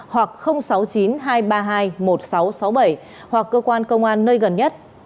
hoặc sáu mươi chín hai trăm ba mươi hai một nghìn sáu trăm sáu mươi bảy hoặc cơ quan công an nơi gần nhất